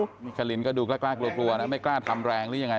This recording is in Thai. คุณชะลินก็ดูกล้ากลัวนะไม่กล้าทำแรงหรือยังไง